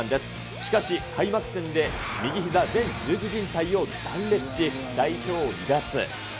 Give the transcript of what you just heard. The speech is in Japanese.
しかし、開幕戦で前右ひざ十字じん帯を断裂し、代表を離脱。